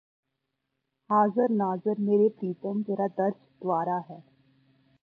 ਹਾਜ਼ਰ ਨਾਜ਼ਰ ਮੇਰੇ ਪ੍ਰੀਤਮ ਤੇਰਾ ਦਰਸ ਦੁਆਰਾ ਹੈ